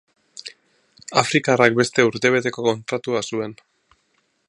Afrikarrak beste urtebeteko kontratua zuen.